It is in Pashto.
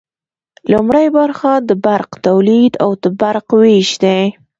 لومړی برخه د برق تولید او د برق ویش دی.